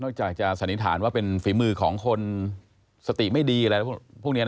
จากจะสันนิษฐานว่าเป็นฝีมือของคนสติไม่ดีอะไรพวกนี้